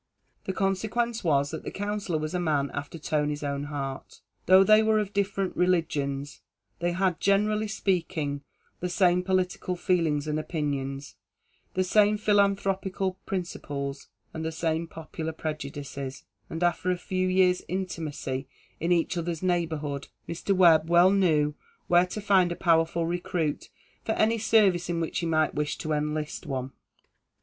The consequence was, that the Counsellor was a man after Tony's own heart. Though they were of different religions, they had, generally speaking, the same political feelings and opinions the same philanthropical principles and the same popular prejudices; and after a few years intimacy in each other's neighbourhood, Mr. Webb well knew where to find a powerful recruit for any service in which he might wish to enlist one.